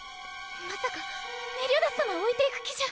まさかメリオダス様を置いていく気じゃ。